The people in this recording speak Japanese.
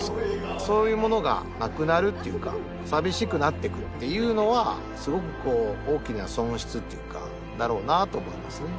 そういうものがなくなるっていうか寂しくなっていくっていうのはすごくこう大きな損失っていうかだろうなと思いますね。